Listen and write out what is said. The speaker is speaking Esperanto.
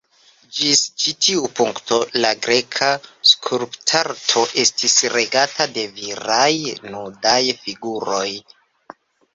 Ĝis ĉi tiu punkto, la greka skulptarto estis regata de viraj nudaj figuroj.